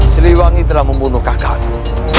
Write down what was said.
seliwangi telah membunuh kakakku